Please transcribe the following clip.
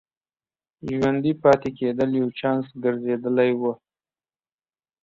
ژوندي پاتې کېدل یو چانس ګرځېدلی و.